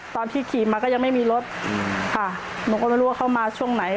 ตอนที่ขี่มาก็ยังไม่มีรถค่ะหนูก็ไม่รู้ว่าเข้ามาช่วงไหน